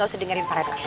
gak usah dengerin pak rete